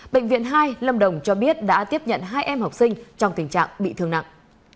bệnh viện hai lâm đồng cho biết đã tiếp nhận hai em học sinh trong tình trạng bị thương nặng